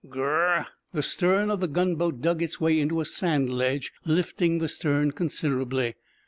Gr r r r! The stern of the gunboat dug its way into a sand ledge, lifting the stern considerably.